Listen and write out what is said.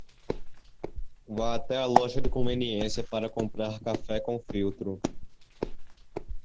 Vá até a loja de conveniência para comprar café com filtro